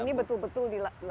dan ini betul betul dilaksanakan